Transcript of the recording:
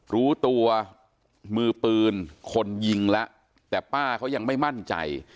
รู้ตัวมือปืนคนยิงแล้วแต่ป้าเขายังไม่มั่นใจ